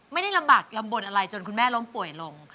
ไม่ได้ลำบากลำบลอะไรจนคุณแม่ล้มป่วยลง